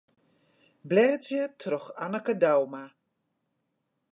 Blêdzje troch Anneke Douma.